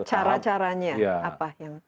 cara caranya apa yang